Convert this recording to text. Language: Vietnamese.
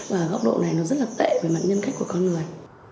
và góc độ này nó rất là tệ về mặt nhân cách của con người